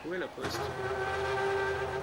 Où est la poste ?